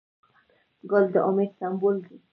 ګل د امید سمبول دی.